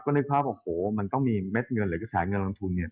นึกภาพโอ้โหมันต้องมีเม็ดเงินหรือกระแสเงินลงทุนเนี่ย